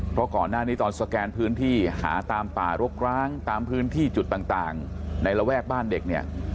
เพราะก่อนหน้านี้ตอนสแกนพื้นที่หาตามป่ารกร้างตามพื้นที่จุดต่างในระแวกบ้านเด็กเนี่ย